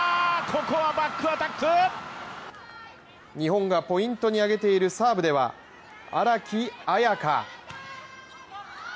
日本がポイントにあげているサーブでは、荒木彩花。